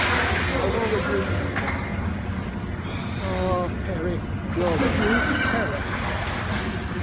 How long have you known her?" "Ah! Harry, your views terrify me."